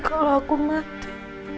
kalau aku mati